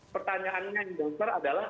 pertanyaannya yang didasar adalah